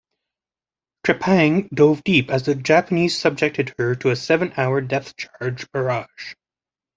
"Trepang" dove deep as the Japanese subjected her to a seven-hour depth charge barrage.